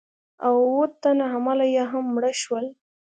او اووه تنه عمله یې هم مړه شول.